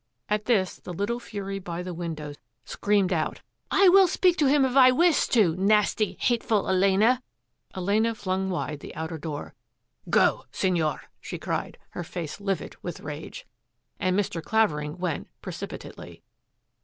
At this the little fury by the window screamed 160 THAT AFFAIR AT THE MANOR out, ^^ I will speak to him if I wish to, nasty, hate ful Elena!" Elena flung wide the outer door. " Go, Sig nor! " she cried, her face livid with rage. And Mr. Clavering went precipitately.